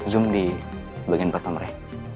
zoom di bagian pertama mereka